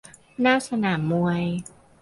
หน้าสนามมวย